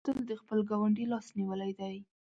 احمد تل د خپل ګاونډي لاس نيولی دی.